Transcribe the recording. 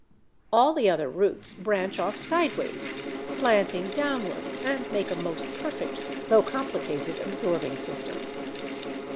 All the other roots branch off sideways, slanting downwards, and make a most perfect though complicated absorbing system.